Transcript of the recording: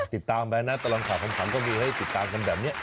ติดตามไปนะตลอดข่าวขำก็มีให้ติดตามกันแบบนี้